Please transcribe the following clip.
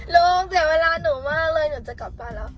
ลุงเจอเวลาหนูมารุ่งหนูจะกลับไปแล้ว